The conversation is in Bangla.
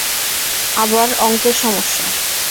আবার অংকের সমস্যা?